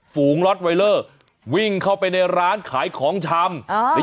ฝูงล็อตไวเลอร์วิ่งเข้าไปในร้านขายของชำ